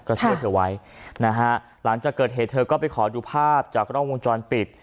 ก็ช่วยเธอไว้นะฮะหลังจากเกิดเหตุเธอก็ไปขอดูภาพจากกล้องวงจรปิด